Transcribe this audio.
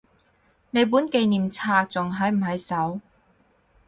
你本紀念冊仲喺唔喺手？